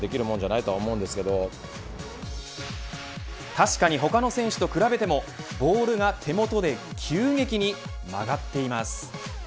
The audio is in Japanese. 確かに他の選手と比べてもボールが手元で急激に曲がっています。